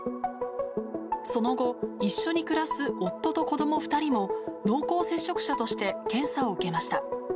その後、一緒に暮らす夫と子ども２人も、濃厚接触者として検査を受けました。